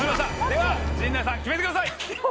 では陣内さん決めてください。